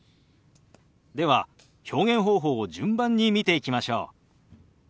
では表現方法を順番に見ていきましょう。